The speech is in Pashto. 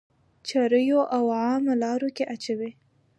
چريو او عامه لارو کي اچوئ.